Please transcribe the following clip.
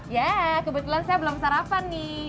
ya kebetulan saya belum sarapan nih